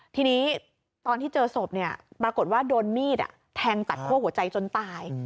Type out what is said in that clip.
ทีนี้ตอนที่เจอศพปรากฏว่าโดนมีดแทงตัดคั่วหัวใจจนตาย